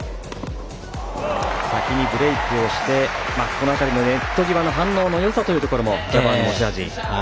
先にブレークをしてこの辺りのネット際の反応のよさもジャバーの持ち味。